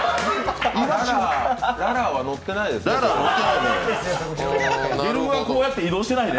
ララーは載ってないですね。